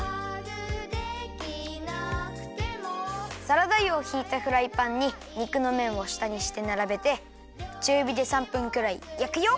サラダ油をひいたフライパンに肉のめんをしたにしてならべてちゅうびで３分くらいやくよ！